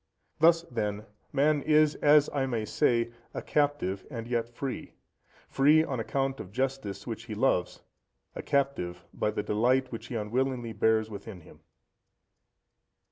Thus, then, man is, as I may say, a captive and yet free. Free on account of justice, which he loves, a captive by the delight which he unwillingly bears within him.